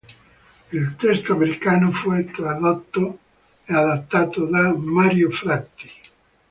Il testo americano fu tradotto e adattato da Mario Fratti.